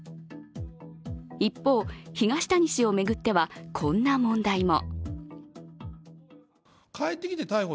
一方、東谷氏を巡ってはこんな問題も。